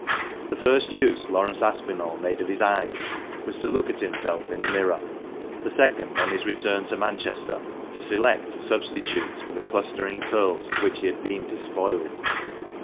The first use Laurence Aspinall made of his eyes was to look at himself in a mirror ; the second, on his return to Manchester, to select a substitute for the clustering curls of which he had been despoiled.